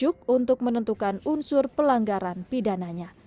untuk menentukan unsur pelanggaran pidananya